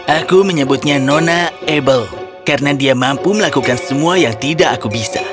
aku menyebutnya nona abel karena dia mampu melakukan semua yang tidak aku bisa